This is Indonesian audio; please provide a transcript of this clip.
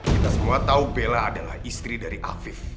kita semua tahu bella adalah istri dari afif